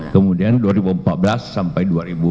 kemudian dua ribu empat belas sampai dua ribu dua puluh